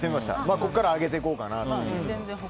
ここから上げていこうかなと。